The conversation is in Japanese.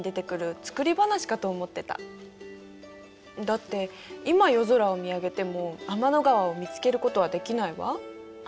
だって今夜空を見上げても天の川を見つけることはできないわ。